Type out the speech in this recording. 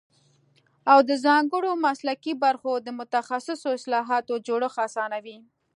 او د ځانګړو مسلکي برخو د متخصصو اصطلاحاتو جوړښت اسانوي